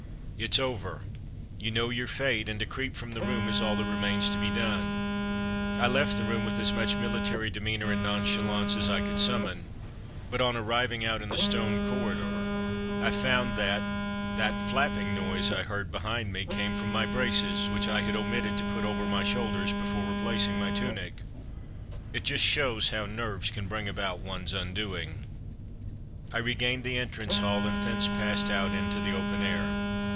It's over! You know your fate, and to creep from the room is all that remains to be done. I left the room with as much mili tary demeanour and nonchalance as I could summon, but on arriving out in the stone corridor I found that that flapping noise I 12 From Mud to Mufti heard behind me came from my braces, which I had omitted to put over my shoul ders before replacing my tunic. It just shows how nerves can bring about one's undoing. I regained the entrance hall and thence passed out into the open air.